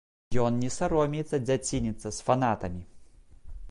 Ён не саромеецца дзяцініцца з фанатамі.